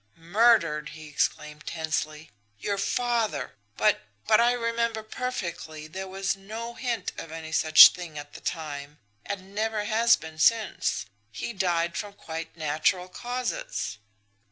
"Murdered!" he exclaimed tensely. "Your father! But but I remember perfectly, there was no hint of any such thing at the time, and never has been since. He died from quite natural causes."